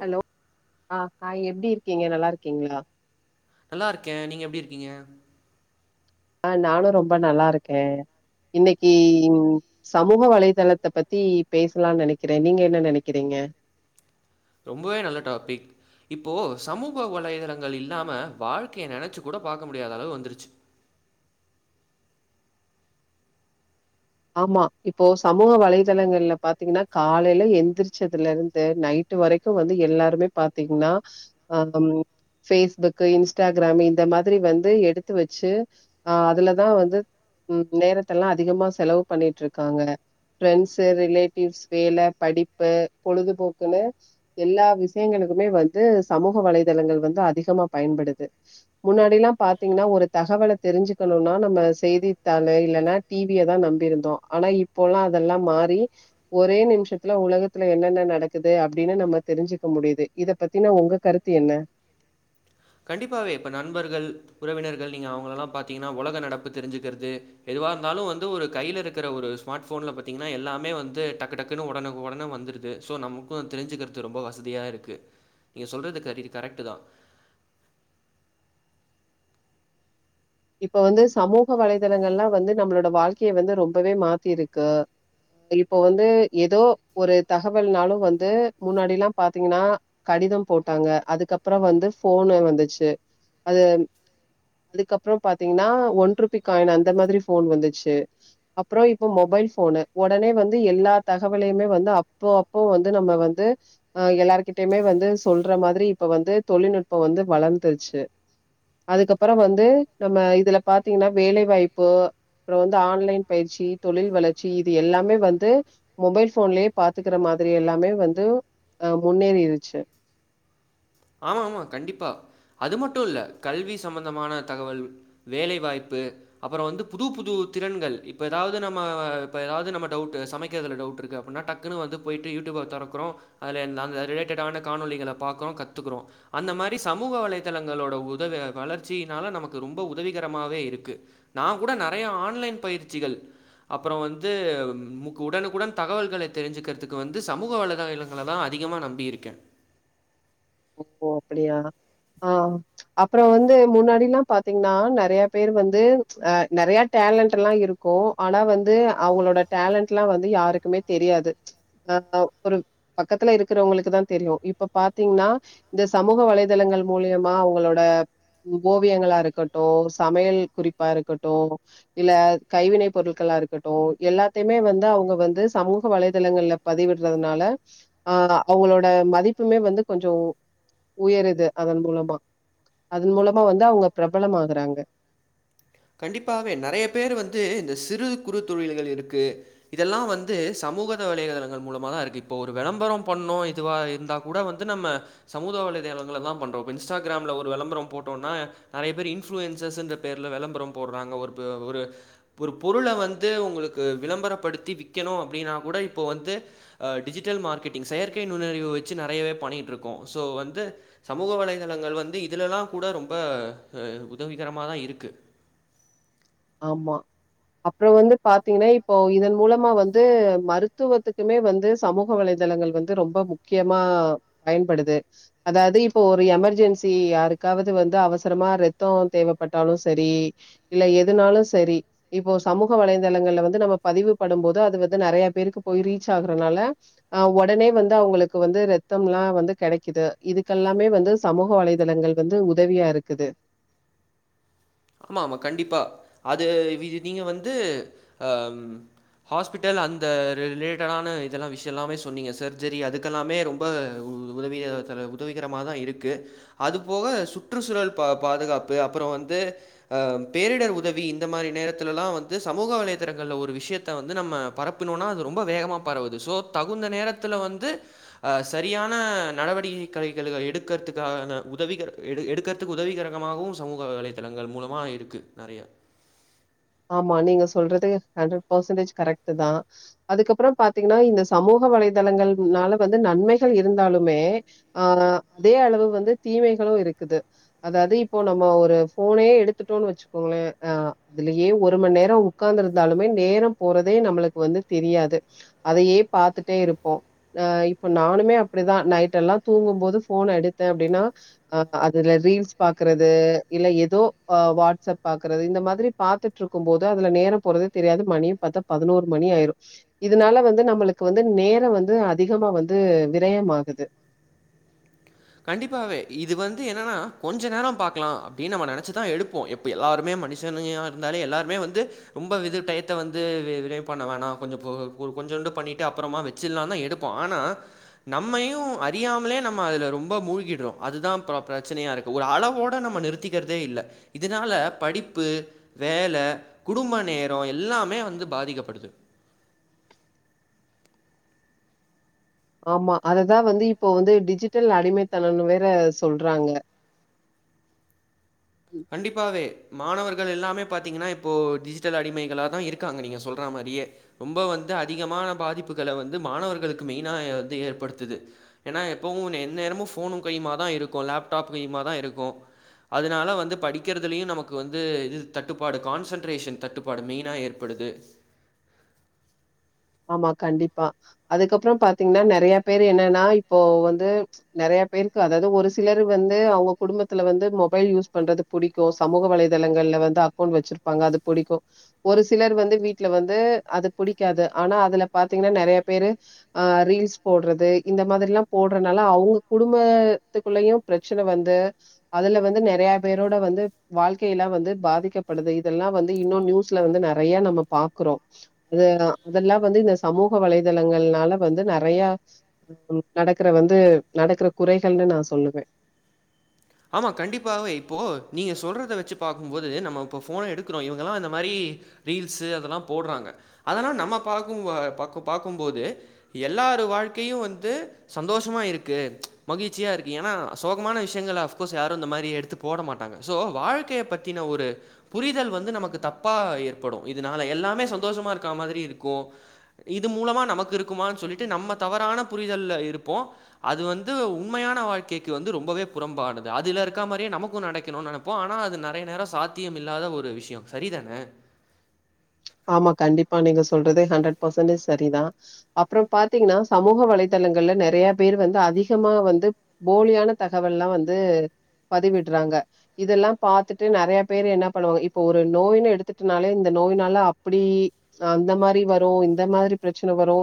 hello ஆ hi எப்டி இருக்கீங்க நல்லா இருக்கீங்ளா நல்லாயிருக்கே நீங்க எப்டி இருக்கீங்க ஆ நானு ரொம்ப நல்லா இருக்கே இன்னக்கீ உம் சமூக வலைதளத்த பத்தி பேசலான்னு நெனைக்கறே நீங்க என்ன நெனைக்கறீங்க ரொம்பவே நல்ல டாபிக் இப்போ சமூக வலைதளங்கள் இல்லாம வாழ்க்கைய நெனச்சு கூட பாக்க முடியாத அளவு வந்துருச்சு ஆமா இப்போ சமூக வலைதளங்கள்ல பாத்திங்கன்னா காலைல எந்திரிச்சதுல இருந்து நைட் டு வரைக்கு வந்து எல்லாருமே பாத்திங்ன்னா ஹம் பேஸ்புக்கு இன்ஸ்டாகிராமு இந்த மாதிரி வந்து எடுத்து வச்சு ஆ அதுலதா வந்து ம் நேரத்தல்லா அதிகமா செலவு பண்ணிட்ருக்காங்க பிரரெண்ட்ஸ்ஸு ரிலேட்டிவ்ஸ் வேல படிப்பு பொழுதுபோக்குன்னு எல்லா விஷயங்களுக்குமே வந்து சமூக வலைதளங்கள் வந்து அதிகமா பயன்படுது முன்னாடிலா பாத்திங்ன்னா ஒரு தகவல தெரிஞ்சிக்கணுன்னா நம்ம செய்தித்தாளு இல்லன்னா டி விய தா நம்பி இருந் தோ அனா இப்போலா அதல்லா மாறி ஒரே நிமிஷத்துல உலகத்துல என்னென்ன நடக்குது அப்டின்னு நம்ம தெரிஞ்சுக்க முடியுது இத பத்தினா உங்க கருத்து என்ன கண்டிப்பாவே இப்ப நண்பர்கள் உறவினர்கள் நீங்க அவங்களலா பாத்திங்கன்னா உலக நடப்பு தெரிஞ்சுக்கறது எதுவா இருந்தாலு வந்து ஒரு கையில இருக்கற ஒரு ஸ்மார்ட் ஃபோன்ல் பாத்திங்கன்னா எல்லாமே வந்து டக்கு டக்குன்னு உடனுக்கு உடனே வந்துருது ஸோ நமக்கு தெரிஞ்சுக்கறது ரொம்ப வசதியா இருக்கு நீங்க சொல்றது கரிரி கரெக்ட்டு தா இப்ப வந்து சமூக வலைதளங்கள்லா வந்து நம்மளோட வாழ்க்கைய வந்து ரொம்பவே மாத்திருக்கு இப்போ வந்து எதோ ஒரு தகவல்னாலு வந்து முன்னாடிலா பாத்திங்கன்னா கடிதம் போட்டாங்க அதுக்கப்பறோ வந்து போனு வந்துச்சு அது அதுக்கப்பறோ பாத்திங்கன்னா ஒன் ருபி காயின் அந்த மாதிரி போன் வந்துச்சு அப்பறோ இப்ப மொபைல் போனு ஒடனே வந்து எல்லா தகவலையுமே வந்து அப்போ அப்போ வந்து நம்ம வந்து அ எல்லார்கிட்டயுமே வந்து சொல்ற மாதிரி இப்ப வந்து தொழில்நுட்போ வந்து வளந்துருச்சு அதுக்கப்பறோ வந்து நம்ம இதுல பாத்திங்ன்னா வேலைவாய்ப்பு அப்பறோ வந்து ஆன்லைன் பயிற்சி தொழில் வளர்ச்சி இது எல்லாமே வந்து மொபைல் போன்லயே பாத்துக்கற மாதிரி எல்லாமே வந்து அ முன்னேறிருச்சு ஆமாம்மா கண்டிப்பா அது மட்டு இல்ல கல்வி சம்மந்தமான தகவல் வேலைவாய்ப்பு அப்புற வந்து புது புது திறன்கள் இப்ப ஏதாவது நம்ம இப்ப எதாவது நம்ம டவுட்டு சமைக்கிறதுல டவுட் இருக்கு அப்டின்னா டக் க்குனு வந்து போயிட்டு யூடியூப தொறக்கறோ அதுல என் அது ரிலேட்டடான காணொலிகளை பாக்குறோ கத்துக்குறோ அந்த மாரி சமூக வலைதளங்களோட உதவ அ வளர்ச்சியினால நமக்கு ரொம்ப உதவிகரமாவே இருக்கு நா கூட நெறைய ஆன்லைன் பயிற்சிகள் அப்புற வந்து உடனுக்குடன் தகவல்களை தெரிஞ்சுக்கிறதுக்கு வந்து சமூக வலைதள ங்கள தா அதிகமா நம்பி இருக்கே ஓ அப்டியா ஆ அப்புற வந்து முன்னாடில்லா பாத்தீங்கன்னா நெறைய பேர் வந்து அ நெறைய டேலண்ட் எல்லா இருக் க்கு ஆனா வந்து அவுங்களோட டேலண்ட் எல்லா வந்து யாருக்குமே தெரியாது ஆ ஒரு பக்கத்துல இருக்கிறவங்களுக்கு தா தெரியு இப்ப பாத்தீங்ன்னா இந்த சமூக வலைதளங்கள் மூலியமா அவுங்களோட ஓவியங்களா இருக்கட்டு சமையல் குறிப்பா இருக்கட்டு இல்ல கைவினை பொருள்களா இருக்கட்டு எல்லாத்தையுமே வந்து அவுங்க வந்து சமூக வலைதளங்கள்ல பதிவிடுறதுனால ஆ அவுங்களோட மதிப்புமே வந்து கொஞ்சோ உயருது அது மூலமா அது மூலமா வந்து அவுங்க பிரபலம் ஆகுறாங்க கண்டிப்பாவே நெறைய பேர் வந்து இந்த சிறு குறு தொழில்கள் இருக்கு இதெல்லா வந்து சமூகத வலைதளங்கள் மூலமா தா இருக்கு இப்போ ஒரு விளம்பரம் பண்ணணு இதுவா இருந்தா முட வந்து நம்ம சமூத வலைதளங்களளா பண்றோ இப்ப இன்ஸ்டாகிராம்ல ஒரு விளம்பர போட்டோனா நெறைய பேர் இன்ஃபுளூயன்சஸ்ன்ற பேருல விளம்பர போடுறாங்க ஒரு ப ஒரு ஒரு பொருள வந்து உங்களுக்கு விளம்பரப்படுத்தி விக்கணு அப்டின்னா கூட இப்போ வந்து ஆ டிஜிட்டல் மார்க்கெட்டிங் செயற்கை நுண்ணறிவு வச்சு நெறையவே பண்ணிட்டு இருக்கோ சோ வந்து சமூக வலைதளங்கள் வந்து இதுலலா கூட ரொம்ப அ உதவிகரமா தா இருக்கு ஆமா அப்புற வந்து பாத்தீங்கன்னா இப்போ இதன் மூலமா வந்து மருத்துவத்துக்குமே வந்து சமூக வலைதளங்கள் வந்து ரொம்ப முக்கியமா பயன்படுது அதாது இப்போ ஒரு எமர்ஜென்சி யாருக்காவது வந்து அவசரமா ரத்தோ தேவப்பட்டாலு சரி இல்ல எதுனாலு சரி இப்போ சமூக வலைதளங்கள்ல வந்து நம்ம பதிவு படும் போது அது வந்து நெறைய பேருக்கு போய் ரீச் ஆகுறனால அ உடனே வந்து அவுங்களுக்கு வந்து ரத்தம்ல்லா வந்து கெடைக்குது இதுக்கெல்லாமே வந்து சமூக வலைதளங்கள் வந்து உதவியா இருக்குது ஆமா ஆமா கண்டிப்பா அது வி நீங்க வந்து அ ஹாஸ்பிட்டல் அந்த ரிலேட்டடான இதெல்லா விஷய எல்லாமே சொன்னீங்க சர்ஜரி அதுக்கெல்லாமே ரொம் ப உதவிய தர உதவிகரமா தா இருக்கு அது போக சுற்றுச்சூழல் பாதுகாப்பு அப்புற வந்து அ பேரிடர் உதவி இந்த மாரி நேரத்திலல்லா வந்து சமூக வலைதளங்கள்ல ஒரு விஷயத்த வந்து நம்ம பரப் புனோனா அது ரொம்ப வேகமா பரவுது சோ தகுந்த நேரத்துல வந்து அ சரியான நடவடிக்கைகள எடுக்கிறதுக்காண உதவிகர் எடு எடுக்கர் த்துக்கு உதவிகரகமாகவு சமூக வலைதளங்கள் மூலமா இருக்கு நெறைய ஆமா நீங்க சொல்றதுக் ஹண்ட்ரட் பர்சன்டேஜ் கரெக்ட் தா அதுக்கப்புற பாத்தீங்கன்னா இந்த சமூக வலைதளங்கள்னால வந்து நன்மைகள் இருந்தாலுமே ஆ அதே அளவு வந்து தீமைகளு இருக்குது அதாது இப்போ நம்ம ஒரு ஃபோனே எடுத்துட்டோனு வச்சுக்கோங்களே அ அதுலயே ஒரு மண் நேரோ ஒக்காந்து இருந்தாலுமே நேரம் போறதே நம்மளுக்கு வந்து தெரியாது அதையே பாத்துட்டே இருப்போ ஆ இப்ப நானுமே அப்டிதா நைட் எல்லா தூங்கும்போது ஃபோன எடுத்தே அப்டின்னா அ அதுல ரீல்ஸ் பாக்குறது இல்ல ஏதோ வாட்ஸ்அப் பாக்குறது இந்த மாதிரி பாத்துட்டு இருக்கும் போது அதுல நேர போறதே தெரியாது மணியு பாத்தா பதினோரு மணி ஆயிரு இதனால வந்து நம்மளுக்கு வந்து நேர வந்து அதிகமா வந்து விரய ஆகுுது கண்டிப்பாவே இது வந்து என்னன்னா கொஞ்ச நேர பாக்கலா அப்டின்னு நம் நினச்சுதா எடுப்போ இப்போ எல்லோருமே மனுஷனையாக இருந்தாலே எல்லாருமே வந்து ரொம்ப விது டயத்தை வந்து விரிவு பண்ண வேணா கொஞ்ச போ ஒரு கொஞ்சோண்டு பண்ணிட்டு அப்பறமா வ வெச்சடுலா தா எடுப்போ ஆனா நம்மையு அறியாமலே நம்ம அதுல ரொம்ப மூழ்கிடுற அதுதா பிரச்சனயா இருக்கு ஒரு அளவோட நம்ம நிறுத்திக்கிறதே இல்ல இதுனால படிப்பு வேல குடும்ப நேரம் எல்லாமே வந்து பாதிக்கப்படுது ஆமா அததா வந்து இப்போ வந்து டிஜிட்டல் அடிமைத்தன வேற சொல்றாங்க கண்டிப்பாவே மாணவர்கள் எல்லாமே பாத்தீங்கன்னா இப்போ டிஜிட்டல் அடிமைகளாக தா இருக்காங்க நீங்க சொல்ற மாரியே ரொம்ப வந்து அதிகமான பாதிப்புகளை வந்து மாணவர்களுக்கு மெயினா வந்து ஏற்படுத்து ஏன்னா எப்போவு எந்த நேரமு ஃபோனும் கையுமா தா இருக்கும் லேப்டாப் கையுமா தா இருக்கும் அதனால வந்து படிக்கிறதுலயு நமக்கு வந்து இது தட்டுப்பாடு கான்சன்ட்ரேஷன் தட்டுப்பாடு மெயினா ஏற்படுது ஆமா கண்டிப்பா அதுக்கப்பற பாத்தீங்கன்னா நெறைய பேரு என்னன்னா இப்போ வந்து நெறைய பேருக்கு அதாவது ஒரு சிலர் வந்து அவங்க குடும்பத்துல வந்து மொபைல் யூஸ் பண்றது புடிக்கும் சமூக வலைதளங்கள்ல வந்து அக்கௌண்ட் வச்சிருப்பாங்க அது பிடிக்கும் ஒரு சிலர் வந்து வீட்டுல வந்து அது புடிக்காது ஆனா அதுல பாத்தீங்கன்னா நெறைய பேரு அ ரீல்ஸ் போடுறது இந்த மாதிர எல்லா போடுறதுனால அவங்க குடும்பத்துக்குள்ளயு பிரச்சன வந்து அதுல வந்து நெறைய பேரோட வந்து வாழ்க்கைய எல்லா வந்து பாதிக்கப்படுது இதெல்லா வந்து இன்னும் நியூஸ்ல வந்து நெறைய நம்ம பாக்குறோ இது இதெல்லா வந்து இந்த சமூக வலைதளங்கள்னால வந்து நெறையா நடக்கற வந்து நடக்கற குறைகள்னு நா சொல்லுவ ஆமா கண்டிப்பாவே இப்போ நீங்க சொல்றத வச்சு பார்க்கும் போது நம்ம இப்போ ஃபோனை எடுக்குறோ இவங்கல்லா அ இந்த மாதிரி ரீல்ஸ் அதெல்லா போடுறாங்க அதனா நம்ம பார்க்கும் பார்க்கும் போது எல்லாரு வாழ்க்கையு வந்து சந்தோஷமா இருக்கு மகிழ்ச்சியா இருக்கு ஏன்னா சோகமான விஷயங்கள யாரும் இந்த மாதிரி எடுத்து போட மாட்டாங்க சோ வாழ்க்கையை பத்தின ஒரு புரிதல் வந்து நமக்கு தப்பா ஏற்படு இதனால எல்லாமே சந்தோஷமா இருக்க மாதிரி இருக்கும் இது மூலமா நமக்கு இருக்கமானு சொல்லிட்டு நம்ம தவறான புரிதல்ல இருப்போ அது வந்து உண்மையான வாழ்க்கைக்கு வந்து ரொம்பவே புறம்பானது அதுல இருக்கா மாதிரியே நமக்கும் நடக்கணும்னு நினைப்போ ஆனா அது நிறைய நேர சாதியம் இல்லாத ஒரு விஷய சரிதான ஆமா கண்டிப்பா நீங்க சொல்றதே ஹண்ட்ரட் பர்சன்டேஜ் சரிதா அப்பற பாத்தீங்கன்னா சமூக வலைதளங்கள்ல நெறைய பேர் வந்து அதிகமா வந்து போலியான தகவல்லா வந்து பதிவிடுறாங்க இதெல்லா பாத்துட்டு நெறைய பேரு என்ன பண்ணுவாங்க இப்ப ஒரு நோய்னு எடுத்துட்டனாலே இந்த நோய்னால அப்டி அந்த மாதிரி வரு இந்த மாதிரி பிரச்சன வரு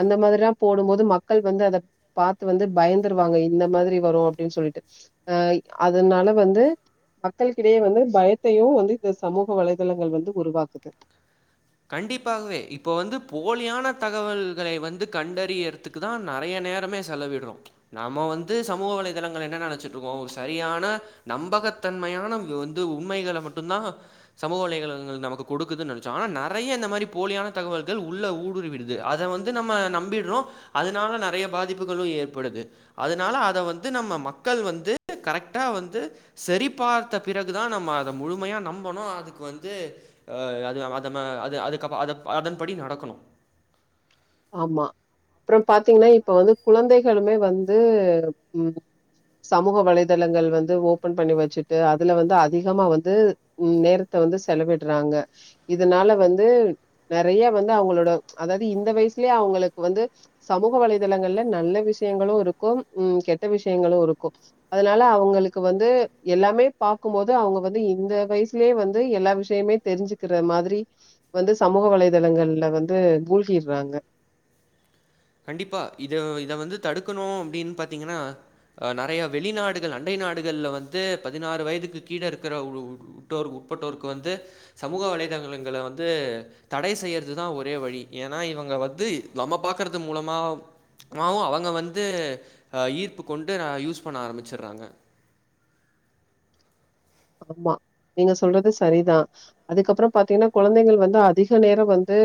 அந்த மாதிரில்லா போடும் போது மக்கள் வந்து அத பாத்து வந்து பயந்துருவாங்க இந்த மாதிரி வரும் அப்டின்னு சொல்லிட்டு அ அதனால வந்து மக்கள்கிடையே வந்து பயத்தைய வந்து இந்த சமூக வலைதளங்கள் வந்து உருவாக்குது கண்டிப்பாகவே இப்போ வந்து போலியான தகவல்களை வந்து கண்டறியத்துக்கு இக்கு தான் நெறைய நேரமே செலவிடுறோ நம்ம வந்து சமூக வலைதளங்கள என்ன நெனைச்சிட்ருக்கோ சரியான நம்பகத்தன்மையான வந்து உண்மைகளை மட்டு்ந்தா சமூக வலை [unintelligible] நமக்கு குடுக்குதுன் நெனச்சோ ஆனா நா நெறைய இந்த மாரி போலியான தகவல்கள் உள்ள ஊடுருவிடுது அத வந்து நம்ம நம்பிடுறோ அதனால நெறைய பாதிப்புகளு ஏற்படுது அதனால அத வந்து நம்ம மக்கள் வந்து கரெக்டா வந்து சரி பார்த்த பிறகுதா நம்ம அத முழுமையா நம்பனு அதுக்கு வந்து ஆ அது அத ம்ம அது அதுக்கப்பற அத அதன்படி நடக்கணு ஆமா அப்பறம் பாத்தீங்கன்னா இப்ப வந்து குழந்தைகளுமே வந்து ம் சமூக வலைதளங்கள் வந்து ஓபன் பண்ணி வச்சுட்டு அதுல வந்து அதிகமா வந்து ம் நேரத்த வந்து செலவிட்றாங்க இதனால வந்து நெறைய வந்து அவங்களோட அதாவது இந்த வயசுலயே அவங்களுக்கு வந்து சமூக வலைதளங்கள்ல நல்ல விஷயங்களு இருக்கும் ம் கெட்ட விஷயங்களு இருக்கும் அதனால அவங்களுக்கு வந்து எல்லாமே பாக்கும்போது அவங்க வந்து இந்த வயசுலேயே வந்து எல்லா விஷயமே தெரிஞ்சுக்கிற மாதிரி வந்து சமூக வலைதளங்கள்ல வந்து மூழ்கிடுறாங்க கண்டிப்பா இது இத வந்து தடுக்கணு அப்படின் பாத்தீங்கன்னா அ நெறைய வெளிநாடுகள் அண்டை நாடுகள்ல வந்து பதினாறு வயதுக்கு கீழ இருக்கிற உட்டோரு உட்பட்டோருக்கு வந்து சமூக வலைதளங்கள வந்து தடை செய்யறதுதா ஒரே வழி ஏன்னா இவங்க வந்து நம்ம பாக்குறது மூலமா மாவு அவங்க வந்து ஈர்ப்பு கொண்டு யூஸ் பண்ண ஆரம்பிச்சுட்றாங்க ஆமா நீங்க சொல்றது சரிதா அதுக்கப்பறோ பாத்தீங்கன்னா குழந்தைங்கள் வந்து அதிக நேர வந்து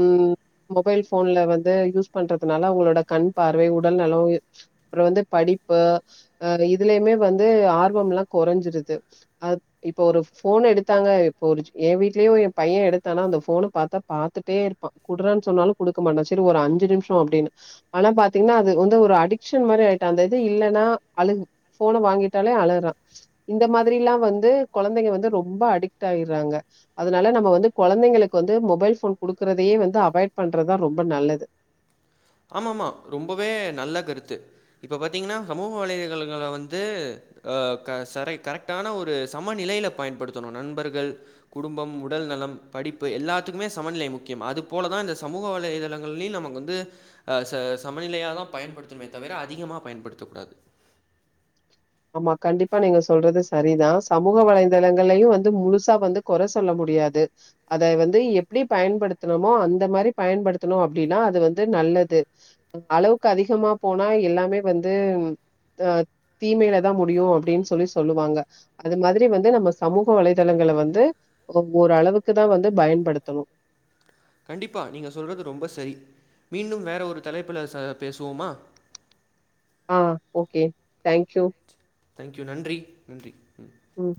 ம் மொபைல் போன்ல வந்து யூஸ் பண்றதுனால அவங்களோட கண் பார்வை உடல் நலோ அப்பற வந்து படிப்பு அ இதுலயுமே வந்து ஆர்வமெல்லா கொறைஞ்சிருது அப் இப்போ ஒரு போன் எடுத்தாங்க இப்போ ஒரு ஏ வீட்லயே எ பைய எடுத்தானா அந்த போன பாத்தா பாத்துட்டே இருப்பா குடுறான் சொன்னாலு குடுக்க மாட்டா சரி ஒரு அஞ்சு நிமிச அப்படின்னு ஆனா பாத்தீங்கன்னா அது வந்து ஒரு அடிக்ஷன் மாரி ஆயிட்டா அந்த இது இல்லன்னா அழுகு போன வாங்கிட்டாலே அழறா இந்த மா திரில்லா வந்து குழந்தைங்க வந்து ரொம்ப அடிக்ட் ஆய்றாங்க அதனால நம்ம வந்து குழந்தைங்களுக்கு வந்து மொபைல் போன் குடுக்குறதையே வந்து அவாய்ட் பண்றதுதா ரொம்ப நல்லது ஆமம்மா ரொம்பவே நல்ல கருத்து இப்போ பாத்தீங்கன்னா சமூக வலைதளங்கள வந்து அ க ச கரெக்டான ஒரு சமநிலையில பயன்படுத்தணு நண்பர்கள் குடும்பம் உடல் நலம் படிப்பு எல்லாத்துக்குமே சமநிலை முக்கியம் அதுபோல தா இந்த சமூக வலைதளங்களையு நமக்கு வந்து வந்து அ ச சமநிலையாதா பயன்படுத்தனுமே தவிர அதிகமா பயன்படுத்தக் கூடாது ஆம்மா கண்டிப்பா நீங்க சொல்றது சரிதா சமூக வலைதளங்கள்லையு வந்து முழுசா வந்து குற சொல்ல முடியாது அதை வந்து எப்படி பயன்படுத்துணமோ அந்த மாரி பயன்படுத்தணு அப்படின்னா அது வந்து நல்லது அளவுக்கு அதிகமா போனா எல்லாமே வந்து அ தீமையில தா முடியு அப்படின்னு சொல்லி சொல்லுவாங்க அது மாதிரி வந்து நம்ம சமூக வலைதளங்கள வந்து ஒ ஓரளவுக்குதா வந்து பயன்படுத்தணு கண்டிப்பா நீங்க சொல்றது ரொம்ப சரி மீண்டும் வேற ஒரு தலைப்புல ச பேசுவோமா ஆ ஓகே தேங்க்யூ தேங்க்யூ நன்றி நன்றி ம் ம்